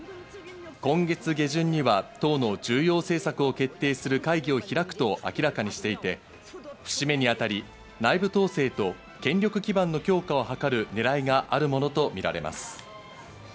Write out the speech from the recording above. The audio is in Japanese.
今月下旬には党の重要政策を決定する会議を開くと明らかにしていて、節目に当たり内部統制と権力基盤の強化をはかるねらいがあるものとみられます。